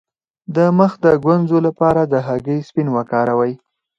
د مخ د ګونځو لپاره د هګۍ سپین وکاروئ